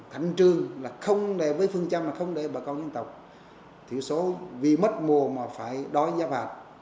thành trương là không để với phương trăm là không để bà con dân tộc thiểu số vì mất mùa mà phải đói giáp hạt